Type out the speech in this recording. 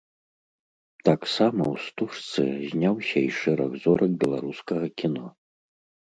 Таксама ў стужцы зняўся і шэраг зорак беларускага кіно.